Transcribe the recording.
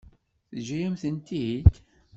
Teǧǧa-yam-tent-id?